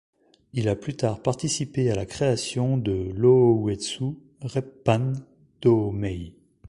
Il a plus tard participé à la création de l'Ōuetsu Reppan Dōmei.